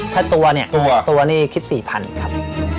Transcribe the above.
ถ้าตัวเนี่ยตัวนี่คิด๔๐๐๐ครับ